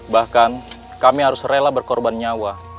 bahkan kami harus rela berkorban nyawa